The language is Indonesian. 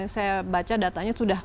saya baca datanya sudah